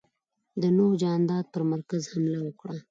د نوح جاندار پر مرکز حمله وکړه.